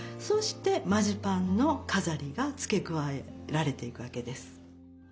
そしてマジパンの飾りが付け加えられていくわけです。